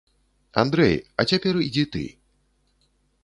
Андрэй, а цяпер ідзі ты.